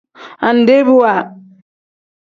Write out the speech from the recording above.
Andebiwa.